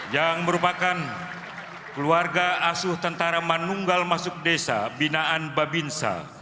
yang merupakan keluarga asuh tentara manunggal masuk desa binaan babinsa